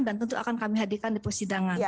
dan tentu akan kami hadirkan di persidangan